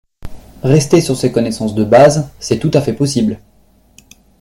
Rester sur ces connaissances de base, c'est tout à fait possible